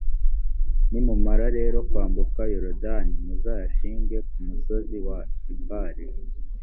nimumara rero kwambuka yorudani, muzayashinge ku musozi wa ebali